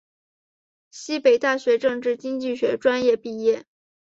西北大学政治经济学专业毕业。